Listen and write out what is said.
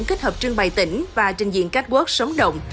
kết hợp trưng bày tỉnh và trình diện các quốc sống động